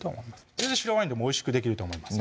全然白ワインでもおいしくできると思います